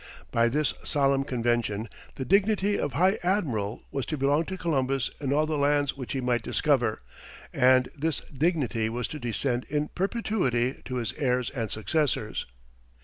By this solemn convention, the dignity of high admiral was to belong to Columbus in all the lands which he might discover, and this dignity was to descend in perpetuity to his heirs and successors.